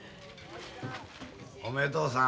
おめでとうさん。